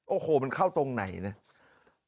โอ้โหมันเข้าตรงไหนเนี่ย